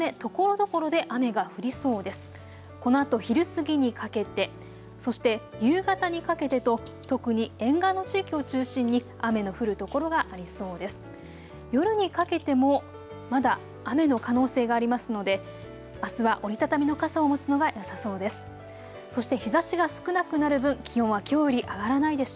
夜にかけてもまだ雨の可能性がありますのであすは折り畳みの傘を持つのがよさそうです。